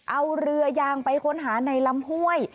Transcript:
เอาเรือยางไปค้นหาในลำห้วย